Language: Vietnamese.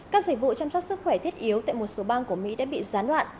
các dịch vụ chăm sóc sức khỏe thiết yếu tại một số bang của mỹ đã bị gián đoạn